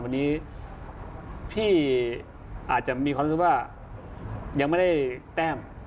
วันนี้พี่อาจจะมีความรู้สึกว่ายังไม่ได้แต้ม